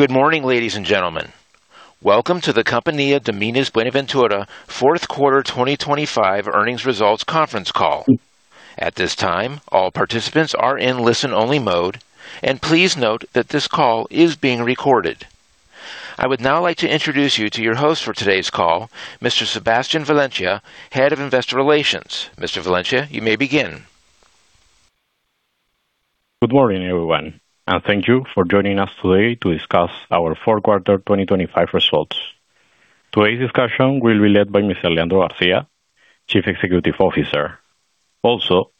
Good morning, ladies and gentlemen. Welcome to the Compañía de Minas Buenaventura 4th Quarter 2025 Earnings Results Conference Call. At this time, all participants are in listen-only mode, and please note that this call is being recorded. I would now like to introduce you to your host for today's call, Mr. Sebastian Valencia, Head of Investor Relations. Mr. Valencia, you may begin. Good morning, everyone, and thank you for joining us today to discuss our fourth quarter 2025 results. Today's discussion will be led by Mr. Leandro García, Chief Executive Officer. Also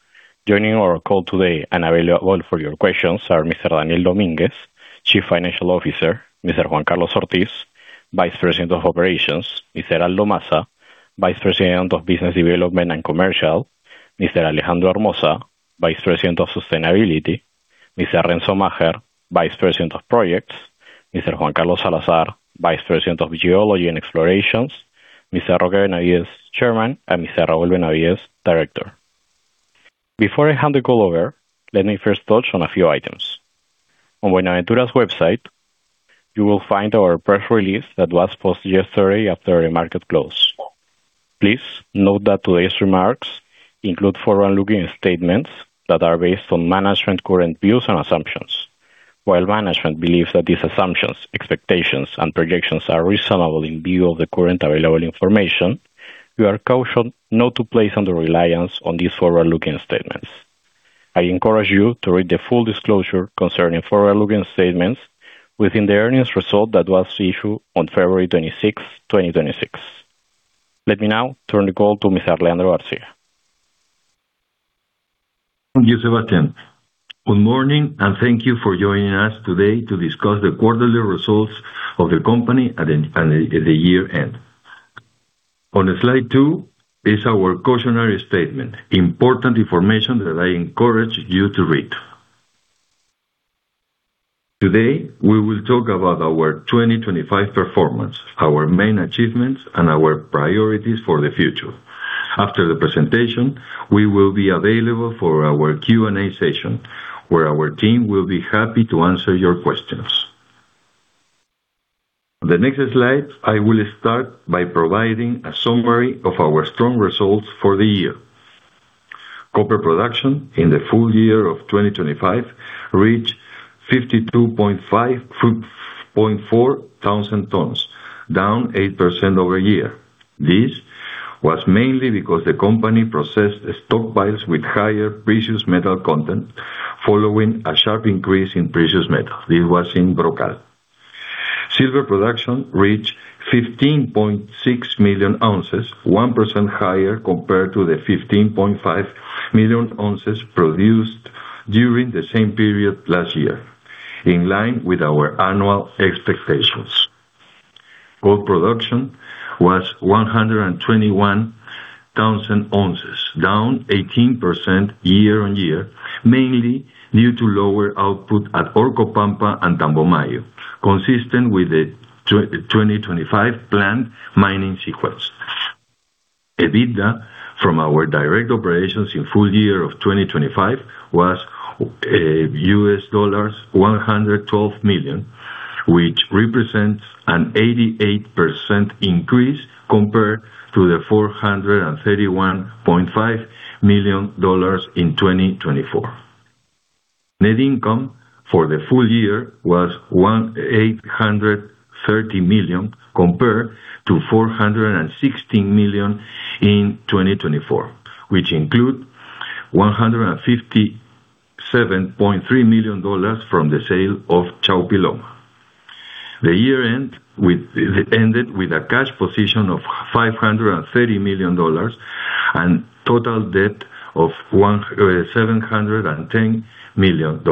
joining our call today and available for your questions are Mr. Daniel Domínguez, Chief Financial Officer, Mr. Juan Carlos Ortiz, Vice President of Operations, Mr. Aldo Masa, Vice President of Business Development and Commercial, Mr. Alejandro Hermoza, Vice President of Sustainability, Mr. Renzo Macher, Vice President of Projects, Mr. Juan Carlos Salazar, Vice President of Geology and Explorations, Mr. Roque Benavides, Chairman, and Mr. Raúl Benavides, Director. Before I hand the call over, let me first touch on a few items. On Buenaventura's website, you will find our press release that was posted yesterday after the market closed. Please note that today's remarks include forward-looking statements that are based on management current views and assumptions. While management believes that these assumptions, expectations, and projections are reasonable in view of the current available information, we are cautioned not to place under reliance on these forward-looking statements. I encourage you to read the full disclosure concerning forward-looking statements within the earnings result that was issued on February 26, 2026. Let me now turn the call to Mr. Leandro García. Thank you, Sebastián. Good morning, thank you for joining us today to discuss the quarterly results of the company at the year-end. On slide two is our cautionary statement, important information that I encourage you to read. Today, we will talk about our 2025 performance, our main achievements, and our priorities for the future. After the presentation, we will be available for our Q&A session, where our team will be happy to answer your questions. The next slide, I will start by providing a summary of our strong results for the year. Copper production in the full year of 2025 reached 52.4 thousand tons, down 8% year-over-year. This was mainly because the company processed the stockpiles with higher precious metal content, following a sharp increase in precious metal. This was in El Brocal. Silver production reached 15.6 million ounces, 1% higher compared to the 15.5 million ounces produced during the same period last year, in line with our annual expectations. Gold production was 121,000 ounces, down 18% year on year, mainly due to lower output at Orcopampa and Tambomayo, consistent with the 2025 planned mining sequence. EBITDA from our direct operations in full year of 2025 was $112 million, which represents an 88% increase compared to the $431.5 million in 2024. Net income for the full year was $830 million, compared to $460 million in 2024, which include $157.3 million from the sale of Chaupiloma. The year ended with a cash position of $530 million and total debt of $710 million,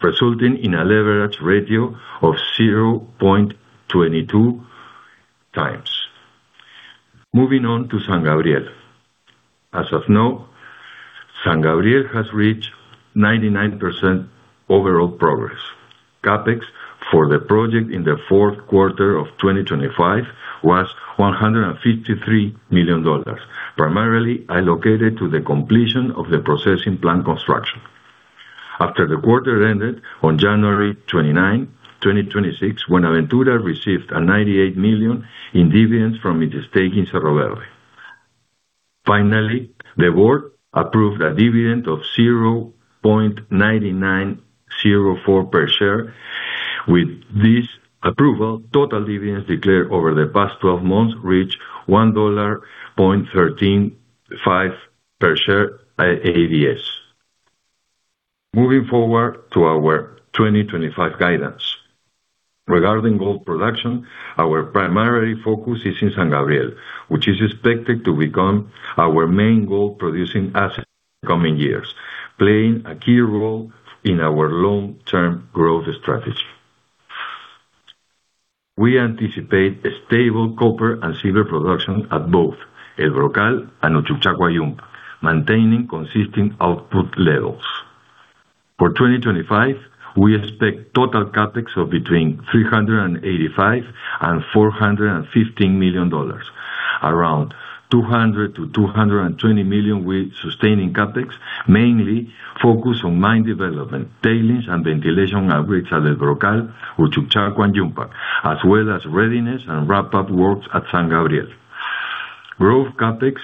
resulting in a leverage ratio of 0.22x. Moving on to San Gabriel. As of now, San Gabriel has reached 99% overall progress. CapEx for the project in the fourth quarter of 2025 was $153 million, primarily allocated to the completion of the processing plant construction. After the quarter ended on January 29, 2026, Buenaventura received $98 million in dividends from its stake in Cerro Verde. Finally, the board approved a dividend of $0.9904 per share. With this approval, total dividends declared over the past 12 months reached $1.135 per share at ADS. Moving forward to our 2025 guidance. Regarding gold production, our primary focus is in San Gabriel, which is expected to become our main gold-producing asset in the coming years, playing a key role in our long-term growth strategy. We anticipate a stable copper and silver production at both El Brocal and Uchucchacua Yumpag, maintaining consistent output levels. For 2025, we expect total CapEx of between $385 million and $415 million. Around $200 million-$220 million with sustaining CapEx, mainly focused on mine development, tailings, and ventilation outbreaks at El Brocal, Uchucchacua, and Yumpag, as well as readiness and wrap-up works at San Gabriel. Growth CapEx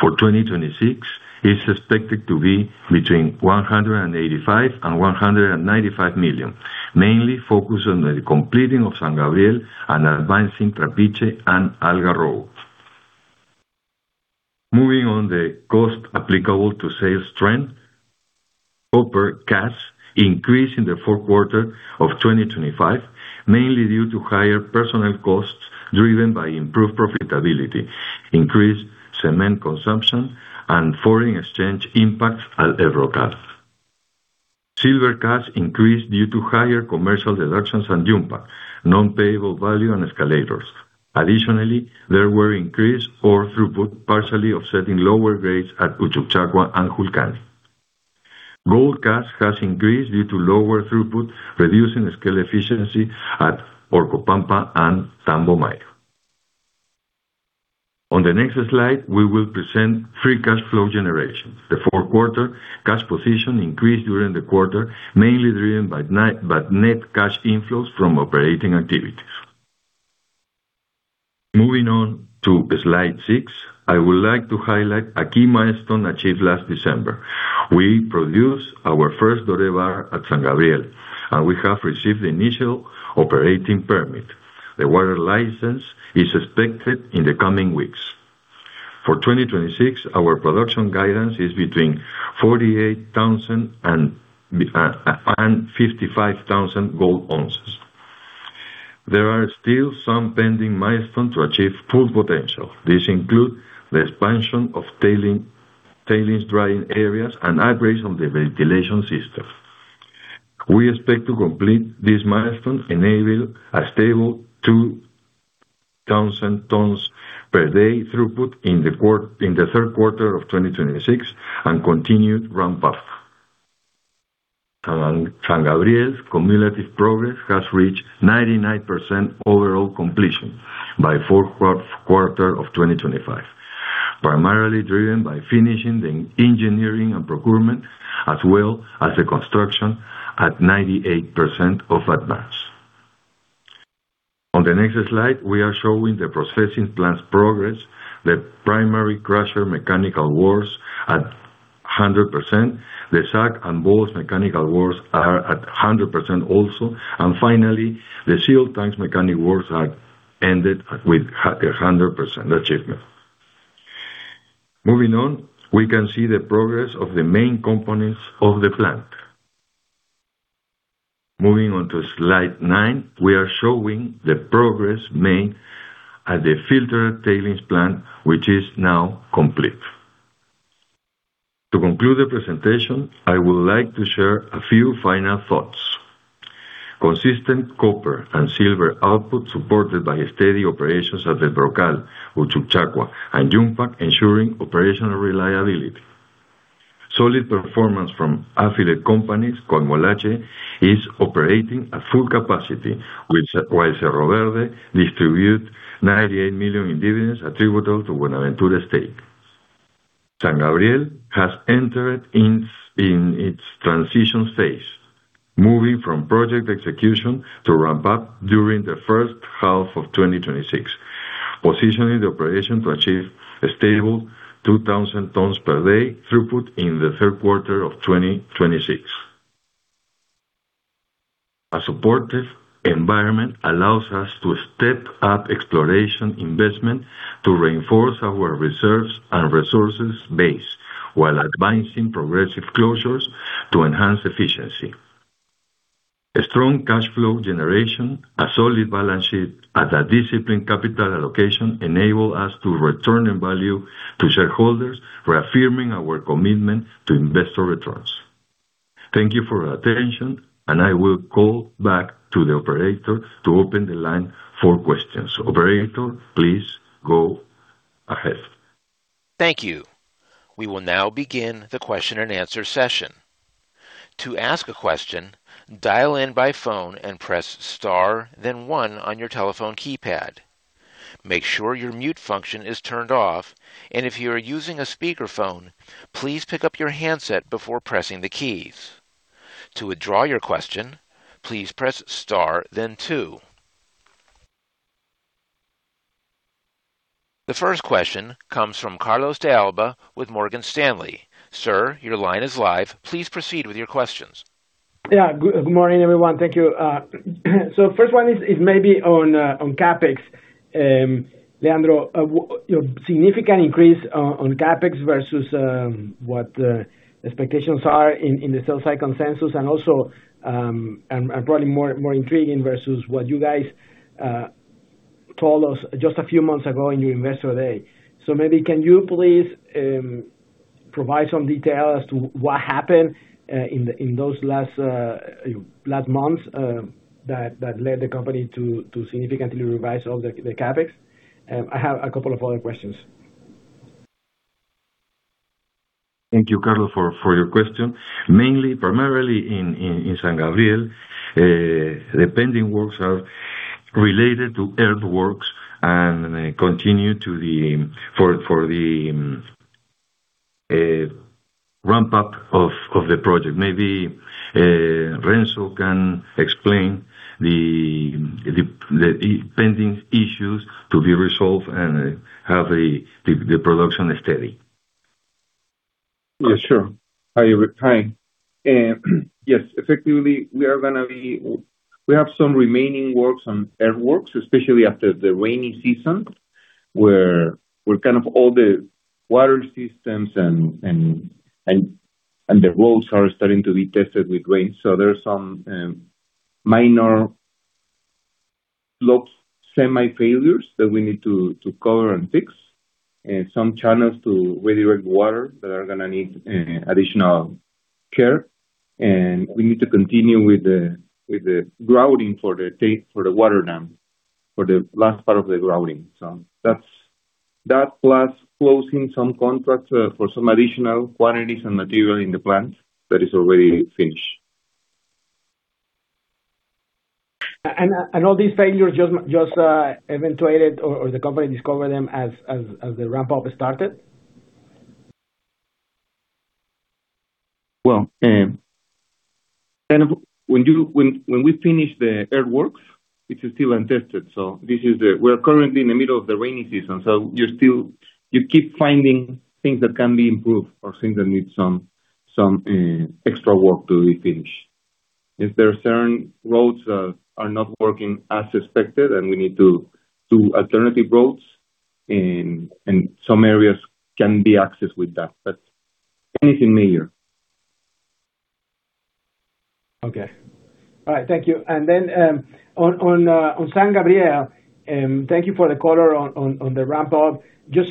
for 2026 is expected to be between $185 million and $195 million, mainly focused on the completing of San Gabriel and advancing Trapiche and Algarrobo. Moving on the cost applicable to sales trend, copper cash increased in the fourth quarter of 2025, mainly due to higher personnel costs, driven by improved profitability, increased cement consumption, and foreign exchange impacts at El Brocal. Silver cash increased due to higher commercial deductions on Yumpag, non-payable value, and escalators. Additionally, there were increased ore throughput, partially offsetting lower grades at Uchucchacua and Julcani. Gold cash has increased due to lower throughput, reducing the scale efficiency at Orcopampa and Tambomayo. On the next slide, we will present free cash flow generation. The fourth quarter cash position increased during the quarter, mainly driven by net cash inflows from operating activities. Moving on to slide six, I would like to highlight a key milestone achieved last December. We produced our first gold bar at San Gabriel, and we have received the initial operating permit. The water license is expected in the coming weeks. For 2026, our production guidance is between 48,000 gold ounces and 55,000 gold ounces. There are still some pending milestones to achieve full potential. These include the expansion of tailings drying areas and upgrades on the ventilation system. We expect to complete this milestone, enable a stable 2,000 tons per day throughput in the third quarter of 2026 and continued ramp-up. San Gabriel's cumulative progress has reached 99% overall completion by fourth quarter of 2025, primarily driven by finishing the engineering and procurement, as well as the construction at 98% of advance. On the next slide, we are showing the processing plant's progress, the primary crusher mechanical works at 100%. The SAG and Ball mechanical works are at 100% also. Finally, the sealed tanks mechanic works are ended with a 100% achievement. Moving on, we can see the progress of the main components of the plant. Moving on to slide nine, we are showing the progress made at the filter tailings plant, which is now complete. To conclude the presentation, I would like to share a few final thoughts. Consistent copper and silver output, supported by steady operations at El Brocal, Uchucchacua, and Yumpag, ensuring operational reliability. Solid performance from affiliate companies, Coimolache, is operating at full capacity, which, while Cerro Verde distribute $98 million in dividends attributable to Buenaventura's stake. San Gabriel has entered in its transition phase, moving from project execution to ramp-up during the first half of 2026, positioning the operation to achieve a stable 2,000 tons per day throughput in the third quarter of 2026. A supportive environment allows us to step up exploration investment to reinforce our reserves and resources base, while advancing progressive closures to enhance efficiency. A strong cash flow generation, a solid balance sheet, and a disciplined capital allocation enable us to return value to shareholders, reaffirming our commitment to investor returns. Thank you for your attention, and I will call back to the operator to open the line for questions. Operator, please go ahead. Thank you. We will now begin the question-and-answer session. To ask a question, dial in by phone and press star, then one on your telephone keypad. Make sure your mute function is turned off, and if you are using a speakerphone, please pick up your handset before pressing the keys. To withdraw your question, please press star then two. The first question comes from Carlos de Alba with Morgan Stanley. Sir, your line is live. Please proceed with your questions. Yeah. Good morning, everyone. Thank you. First one is maybe on CapEx. Leandro, your significant increase on CapEx versus what expectations are in the sell side consensus, and also, and probably more intriguing versus what you guys told us just a few months ago in your Investor Day. Maybe can you please provide some detail as to what happened in those last months, that led the company to significantly revise all the CapEx? I have a couple of other questions. Thank you, Carlo, for your question. Mainly, primarily in San Gabriel, the pending works are related to earthworks and continue to the ramp up of the project. Maybe Renzo can explain the pending issues to be resolved and have the production steady. Yeah, sure. Hi, everyone, hi. Yes, effectively, we have some remaining works on earthworks, especially after the rainy season, where we're kind of all the water systems and the roads are starting to be tested with rain. There are some minor slope semi-failures that we need to cover and fix, and some channels to redirect water that are gonna need additional care. We need to continue with the grouting for the tape, for the water dam, for the last part of the grouting. That's, that plus closing some contracts for some additional quantities and material in the plant that is already finished. All these failures just eventuated or the company discovered them as the ramp up started? Well, kind of when we finish the earthworks, it is still untested. We are currently in the middle of the rainy season, so you're still, you keep finding things that can be improved or things that need some extra work to be finished. If there are certain roads are not working as expected, and we need to do alternative routes, and some areas can be accessed with that, but anything major. Okay. All right, thank you. On San Gabriel, thank you for the color on the ramp up. Just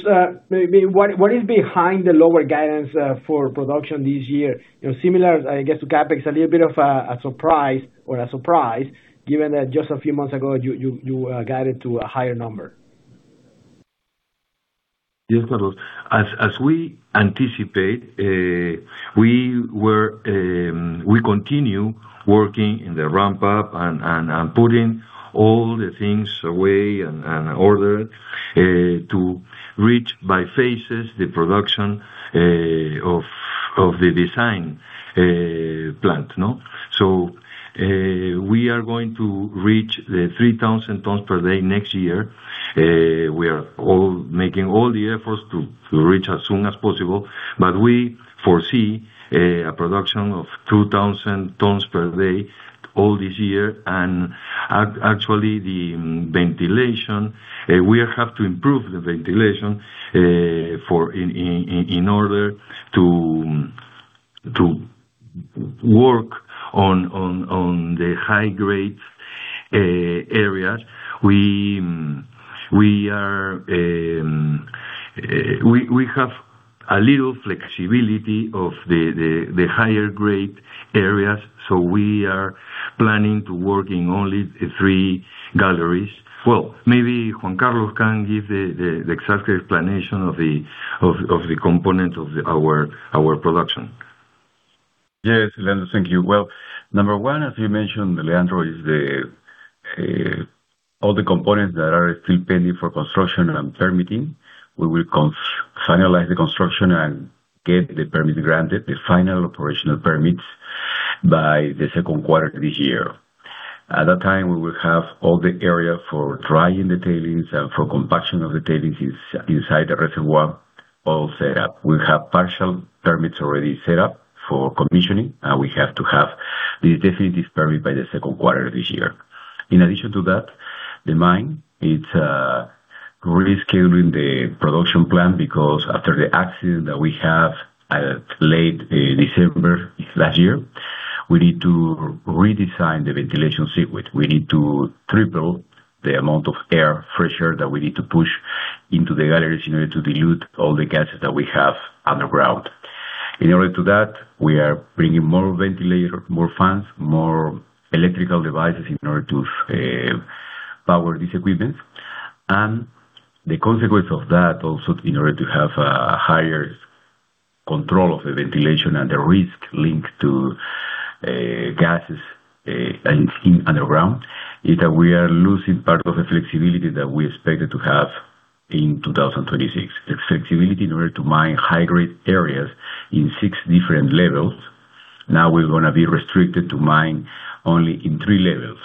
maybe what is behind the lower guidance for production this year? Similar, I guess, to CapEx, a little bit of a surprise or a surprise, given that just a few months ago, you guided to a higher number. Yes, Carlos. As we anticipate, we were, we continue working in the ramp up and putting all the things away and in order to reach by phases the production of the design plant, no? We are going to reach the 3,000 tons per day next year. We are making all the efforts to reach as soon as possible, but we foresee a production of 2,000 tons per day all this year. Actually, the ventilation, we have to improve the ventilation for in order to work on the high-grade areas. We are, we have a little flexibility of the higher-grade areas, so we are planning to work in only three galleries. Well, maybe Juan Carlos can give the exact explanation of the components of our production. Yes, Leandro, thank you. Well, number one, as you mentioned, Leandro, is the all the components that are still pending for construction and permitting. We will finalize the construction and get the permit granted, the final operational permits, by the second quarter of this year. At that time, we will have all the area for drying the tailings and for compaction of the tailings inside the reservoir all set up. We have partial permits already set up for commissioning. We have to have the definitive permit by the second quarter of this year. In addition to that, the mine, it's rescheduling the production plan because after the accident that we have late December last year, we need to redesign the ventilation system. We need to triple the amount of air, fresh air, that we need to push into the galleries in order to dilute all the gases that we have underground. In order to that, we are bringing more ventilator, more fans, more electrical devices in order to power these equipments. The consequence of that also, in order to have a higher control of the ventilation and the risk linked to gases and steam underground, is that we are losing part of the flexibility that we expected to have in 2026. The flexibility in order to mine high-grade areas in six different levels, now we're gonna be restricted to mine only in three levels.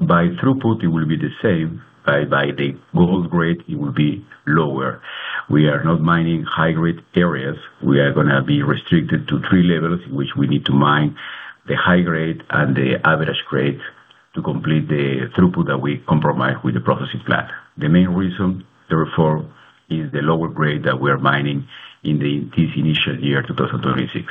By throughput, it will be the same. By the gold grade, it will be lower. We are not mining high-grade areas. We are gonna be restricted to three levels, which we need to mine the high grade and the average grade to complete the throughput that we compromise with the processing plant. The main reason, therefore, is the lower grade that we are mining in the, this initial year, 2026.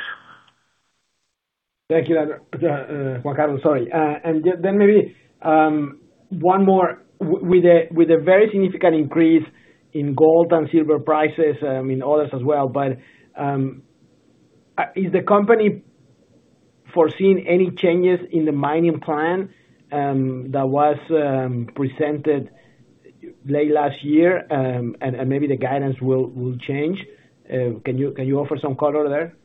Thank you, Juan Carlos, sorry. Then maybe, one more. With a very significant increase in gold and silver prices, in others as well, is the company- ...foreseeing any changes in the mining plan, that was presented late last year, and maybe the guidance will change? Can you offer some color there?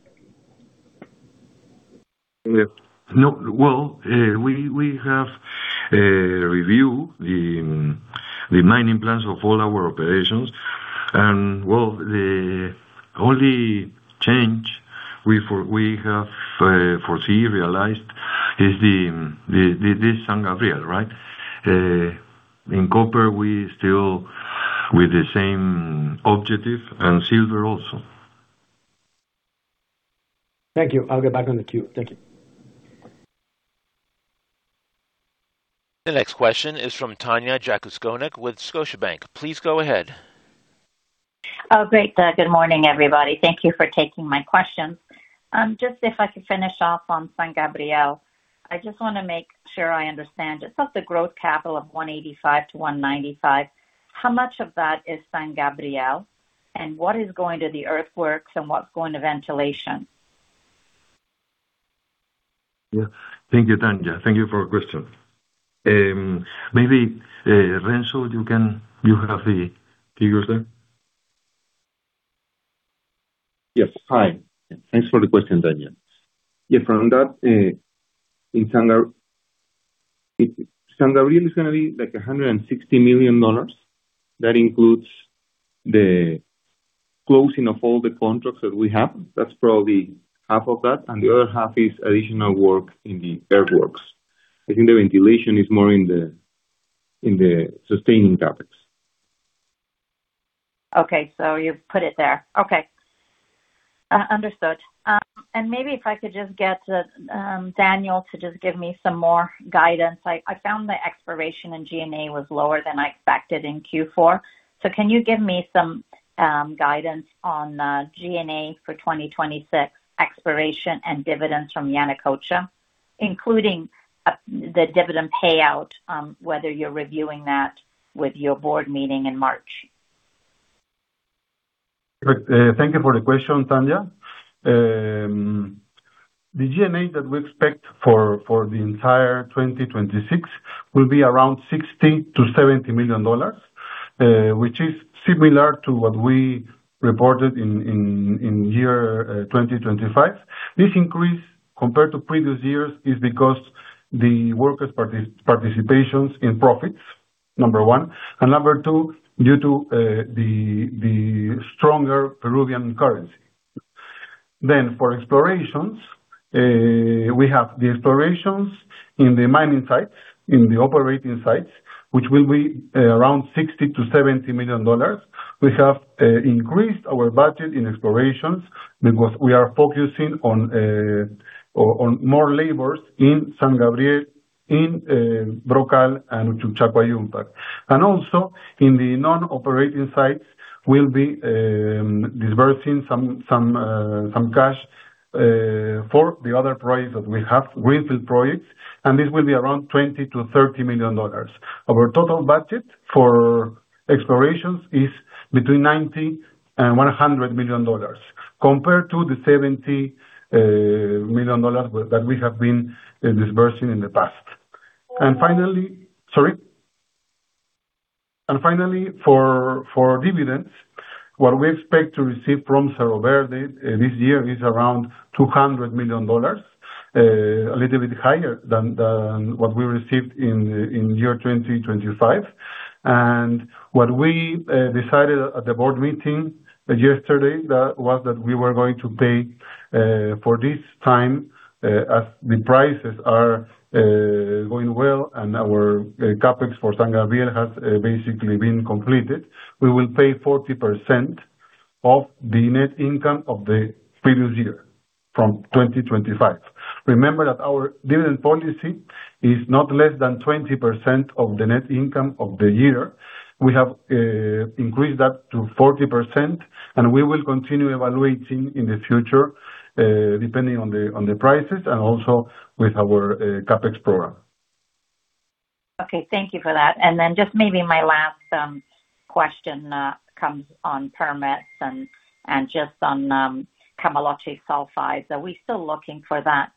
Yeah. No, well, we have reviewed the mining plans of all our operations. Well, the only change we have foresee, realized is the San Gabriel, right? In Copper, we still with the same objective. Silver also. Thank you. I'll get back on the queue. Thank you. The next question is from Tanya Jakusconek with Scotiabank. Please go ahead. Great, good morning, everybody. Thank you for taking my questions. Just if I could finish off on San Gabriel. I just want to make sure I understand, just off the growth capital of $185-$195, how much of that is San Gabriel, and what is going to the earthworks and what's going to ventilation? Thank you, Tanya. Thank you for your question. maybe Renzo, you have the figures there? Yes. Hi, thanks for the question, Tanya. Yeah, from that, in San Gabriel is going to be like $160 million. That includes the closing of all the contracts that we have. That's probably half of that, and the other half is additional work in the earthworks. I think the ventilation is more in the, in the sustaining CapEx. Okay, so you've put it there. Okay. Understood. Maybe if I could just get Daniel Domínguez to just give me some more guidance. I found the exploration in G&A was lower than I expected in Q4. Can you give me some guidance on G&A for 2026 exploration and dividends from Yanacocha, including the dividend payout, whether you're reviewing that with your board meeting in March? Thank you for the question Tanya. Expect for the entire 2026 will be around $60 million-$70 million, which is similar to what we reported in year 2025. This increase, compared to previous years, is because the workers' participations in profits, number one, and number two, due to the stronger Peruvian currency. For explorations, we have the explorations in the mining sites, in the operating sites, which will be around $60 million-$70 million. We have increased our budget in explorations because we are focusing on more labors in San Gabriel, in El Brocal and Uchucchacua Also in the non-operating sites, we'll be disbursing some cash for the other projects that we have, greenfield projects. This will be around $20 million-$30 million. Our total budget for explorations is between $90 million-$100 million, compared to the $70 million that we have been disbursing in the past. Finally, for dividends, what we expect to receive from Cerro Verde this year is around $200 million, a little bit higher than what we received in year 2025. What we, decided at the board meeting yesterday, that was that we were going to pay, for this time, as the prices are, going well and our, CapEx for San Gabriel has, basically been completed, we will pay 40% of the net income of the previous year, from 2025. Remember that our dividend policy is not less than 20% of the net income of the year. We have, increased that to 40%, and we will continue evaluating in the future, depending on the, on the prices and also with our, CapEx program. Okay, thank you for that. Just maybe my last question comes on permits and just on Coimolache sulfides. Are we still looking for that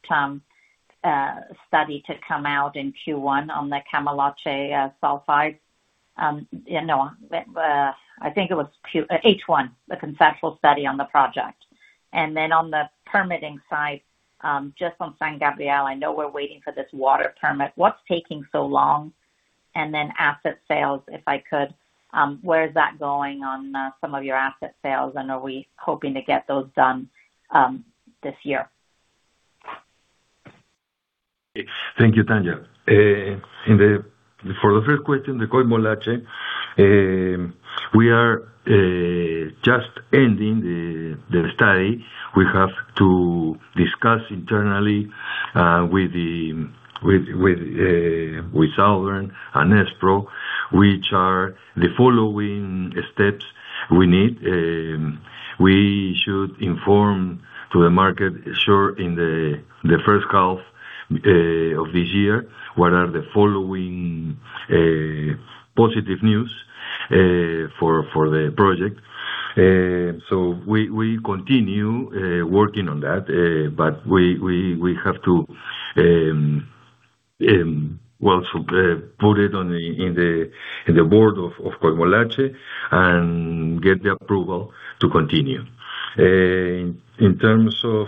study to come out in Q1 on the Coimolache sulfides? You know, I think it was H1, the conceptual study on the project. On the permitting side, just on San Gabriel, I know we're waiting for this water permit. What's taking so long? Asset sales, if I could, where is that going on some of your asset sales, and are we hoping to get those done this year? Thank you, Tanya. In the, for the first question, the Coimolache, we are just ending the study. We have to discuss internally with Southern and Espro, which are the following steps we need. We should inform to the market sure in the first half of this year. What are the following positive news for the project? We continue working on that, but we have to well, put it on the in the in the board of and get the approval to continue. In terms of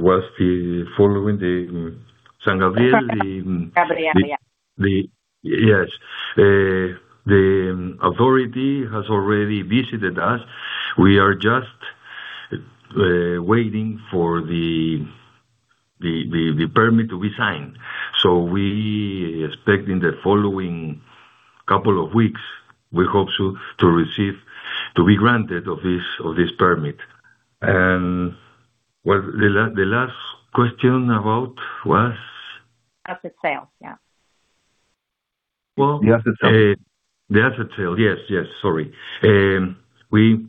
what's the following, the San Gabriel? San Gabriel, yeah. Yes. The authority has already visited us. We are just waiting for the permit to be signed. We expect in the following couple of weeks, we hope to receive, to be granted of this permit. What the last question about was? Asset sales. Yeah. Well- The asset sales. The asset sale. Yes. Sorry. We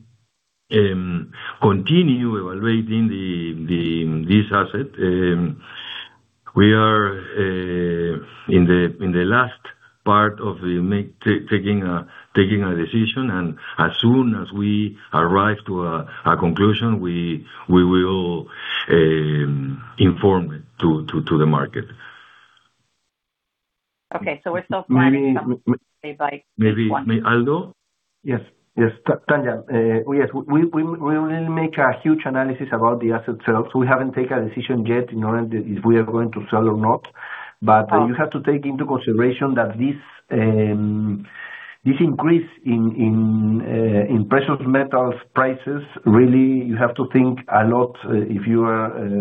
continue evaluating this asset. We are in the last part of taking a decision, and as soon as we arrive to a conclusion, we will inform it to the market. Okay, we're still planning. Maybe, Aldo? Yes, yes. Tanya, yes, we will make a huge analysis about the asset sales. We haven't made a decision yet, you know, if we are going to sell or not. You have to take into consideration that this increase in precious metals prices, really, you have to think a lot, if you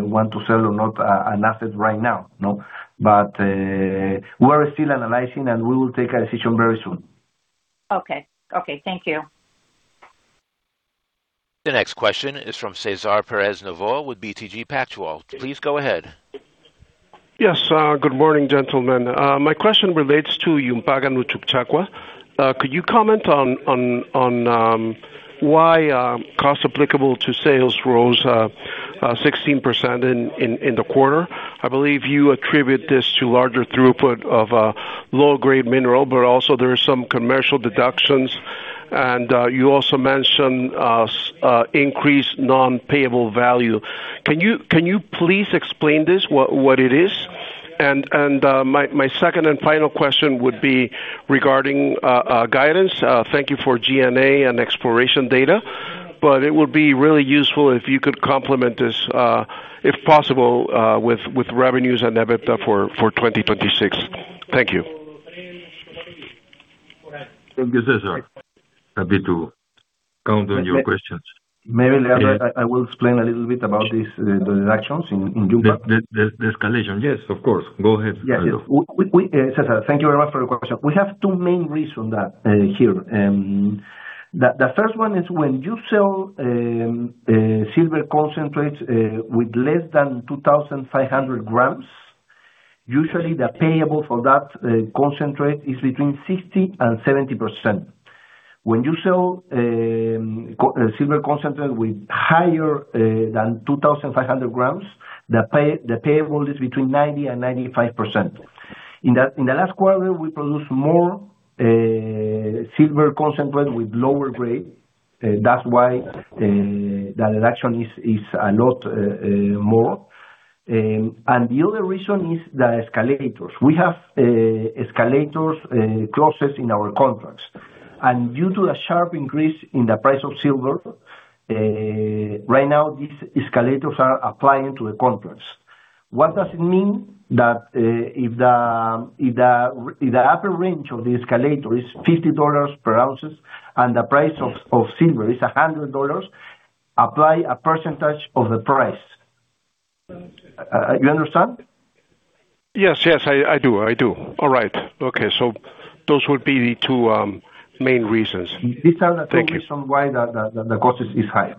want to sell or not an asset right now, no? We are still analyzing, and we will take a decision very soon. Okay. Okay, thank you. The next question is from Cesar Perez Novoa with BTG Pactual. Please go ahead. Yes, good morning, gentlemen. My question relates to Yumpag and Uchucchacua. Could you comment on why cost applicable to sales rose 16% in the quarter? I believe you attribute this to larger throughput of low-grade mineral, but also there is some commercial deductions. You also mentioned increased non-payable value. Can you please explain this, what it is? My second and final question would be regarding guidance. Thank you for G&A and exploration data, but it would be really useful if you could complement this, if possible, with revenues and EBITDA for 2026. Thank you. Thank you, Cesar. Happy to count on your questions. Maybe, Leandro, I will explain a little bit about these, the reductions in Yumpag. The escalation. Yes, of course. Go ahead. Yes. We, Cesar, thank you very much for your question. We have two main reasons that here. The first one is when you sell silver concentrates with less than 2,500 grams, usually the payable for that concentrate is between 60% and 70%. When you sell silver concentrate with higher than 2,500 grams, the payable is between 90% and 95%. In the last quarter, we produced more silver concentrate with lower grade, that's why the reduction is a lot more. The other reason is the escalators. We have escalators clauses in our contracts. Due to a sharp increase in the price of silver, right now, these escalators are applying to the contracts. What does it mean? If the upper range of the escalator is $50 per ounces, and the price of silver is $100, apply a percentage of the price. you understand? Yes, I do. All right. Okay, those would be the two main reasons. These are. Thank you. - two reasons why the cost is high.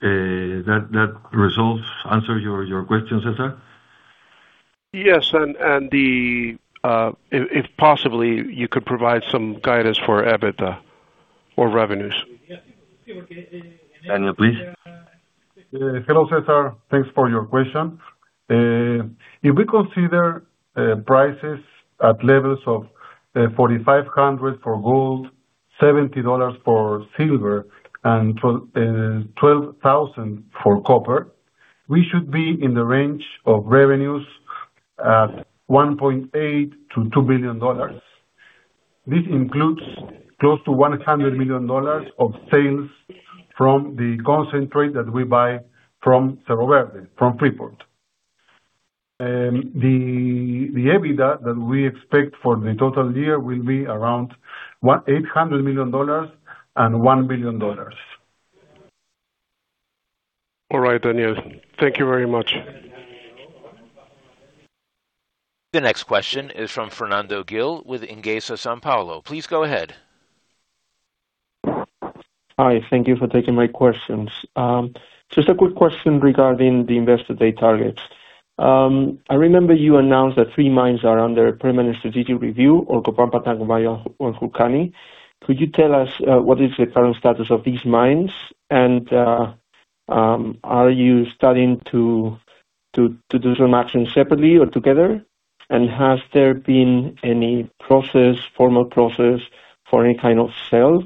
That, that resolves, answers your question, Cesar? Yes, and the, if possibly, you could provide some guidance for EBITDA or revenues. Daniel, please. Hello, Cesar. Thanks for your question. If we consider prices at levels of $4,500 for gold, $70 for silver, and $12,000 for copper, we should be in the range of revenues at $1.8 billion-$2 billion. This includes close to $100 million of sales from the concentrate that we buy from Cerro Verde, from Freeport. The EBITDA that we expect for the total year will be around $800 million-$1 billion. All right, Daniel. Thank you very much. The next question is from Fernando Gil with Intesa Sanpaolo. Please go ahead. Hi, thank you for taking my questions. Just a quick question regarding the investor day targets. I remember you announced that three mines are under permanent strategic review, Orcopampa, Tambomayo, or Julcani. Could you tell us, what is the current status of these mines? Are you studying to do some action separately or together? Has there been any process, formal process for any kind of sale?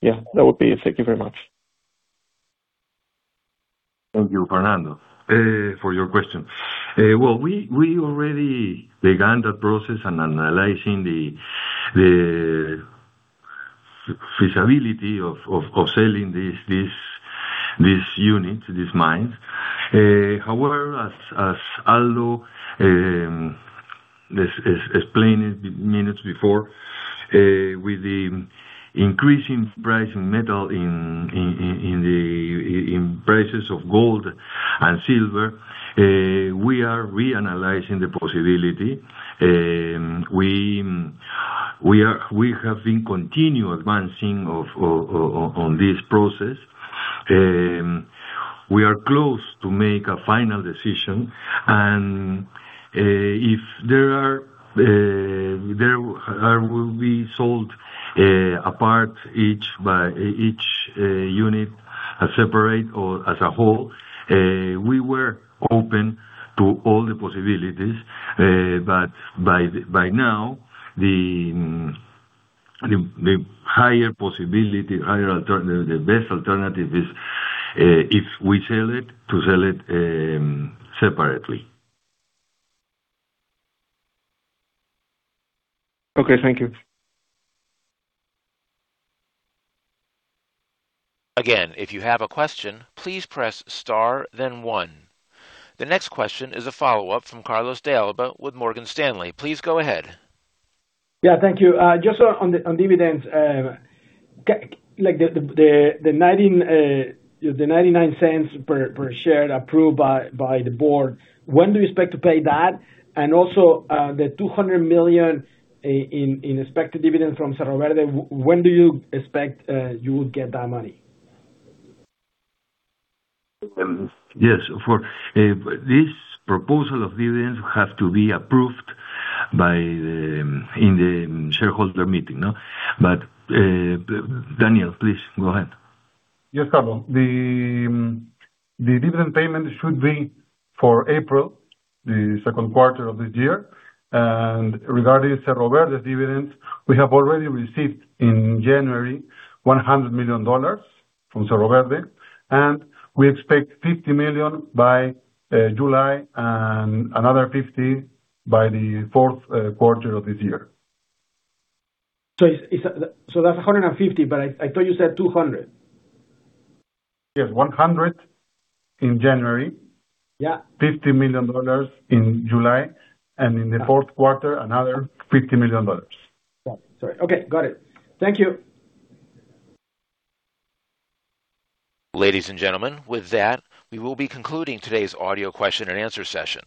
Yeah, that would be it. Thank you very much. Thank you, Fernando, for your question. Well, we already began that process and analyzing the feasibility of selling this unit, this mine. However, as Aldo explained it minutes before, with the increasing price in metal in prices of gold and silver, we are reanalyzing the possibility. We are, we have been continue advancing on this process. We are close to make a final decision. If there are, will be sold apart each by each unit, as separate or as a whole, we were open to all the possibilities. By now, the higher possibility, the best alternative is if we sell it, to sell it separately. Okay, thank you. Again, if you have a question, please press star then one. The next question is a follow-up from Carlos de Alba with Morgan Stanley. Please go ahead. Yeah, thank you. just on the dividends, like, the $0.99 per share approved by the board, when do you expect to pay that? Also, the $200 million in expected dividends from Cerro Verde, when do you expect you will get that money? Yes, for, this proposal of dividends has to be approved by the, in the shareholder meeting, no? Daniel, please go ahead. Yes, Carlos. The dividend payment should be for April, the second quarter of this year. Regarding Cerro Verde dividends, we have already received in January, $100 million from Cerro Verde. We expect $50 million by July and another $50 million by the fourth quarter of this year. That's 150, I thought you said 200. Yes, $100 in January. Yeah. $50 million in July, and in the fourth quarter, another $50 million. Yeah. Sorry. Okay, got it. Thank you! Ladies and gentlemen, with that, we will be concluding today's audio question and answer session.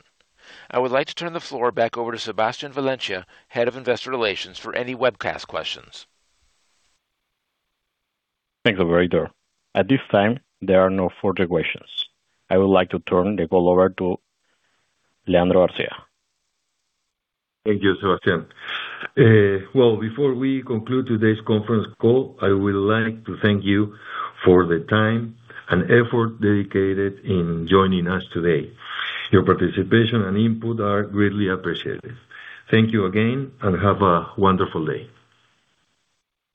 I would like to turn the floor back over to Sebastián Valencia, Head of Investor Relations, for any webcast questions. Thanks, operator. At this time, there are no further questions. I would like to turn the call over to Leandro García. Thank you, Sebastian. Well, before we conclude today's conference call, I would like to thank you for the time and effort dedicated in joining us today. Your participation and input are greatly appreciated. Thank you again, and have a wonderful day.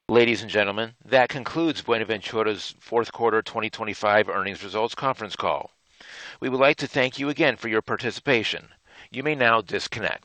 Ladies and gentlemen, that concludes Buenaventura's Fourth Quarter 2025 Earnings Results Conference call. We would like to thank you again for your participation. You may now disconnect.